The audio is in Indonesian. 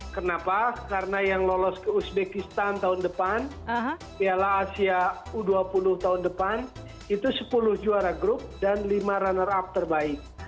kenapa karena yang lolos ke uzbekistan tahun depan piala asia u dua puluh tahun depan itu sepuluh juara grup dan lima runner up terbaik